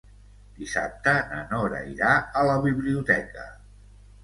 Dissabte na Nora irà a la biblioteca.